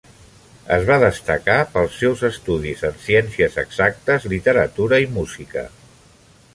Es va destacar pels seus estudis en ciències exactes, literatura i música.